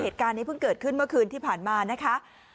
เหตุการณ์นี้เพิ่งเกิดขึ้นเมื่อคืนที่ผ่านมานะคะ